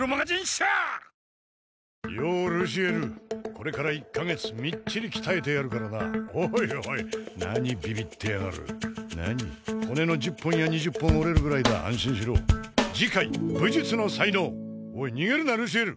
これから１カ月みっちり鍛えてやるからなおいおい何ビビってやがる何骨の１０本や２０本折れるぐらいだ安心しろ次回武術の才能おい逃げるなルシエル！